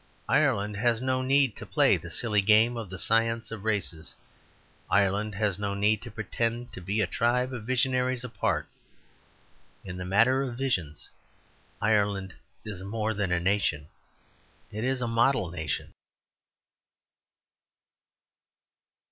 Ireland has no need to play the silly game of the science of races; Ireland has no need to pretend to be a tribe of visionaries apart. In the matter of visions, Ireland is more than a nation, it is a model nation.